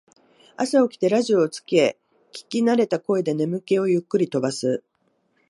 朝起きてラジオをつけ聞きなれた声で眠気をゆっくり飛ばす